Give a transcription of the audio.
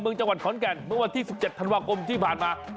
จังหวัดขอนแก่นเมื่อวันที่๑๗ธันวาคมที่ผ่านมา